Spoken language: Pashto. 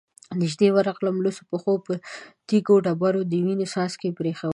نږدې ورغلم، لوڅو پښو يې په تېرو ډبرو د وينو څاڅکې پرېښي ول،